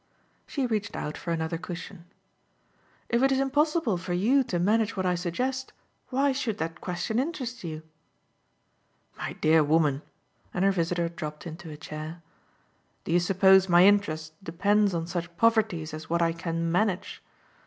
She reached out for another cushion. "If it's impossible for you to manage what I suggest why should that question interest you?" "My dear woman" and her visitor dropped into a chair "do you suppose my interest depends on such poverties as what I can 'manage'?